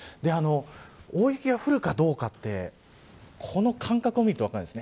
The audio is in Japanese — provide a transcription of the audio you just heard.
大雪が降るかどうかってこの間隔を見ると分かるんです。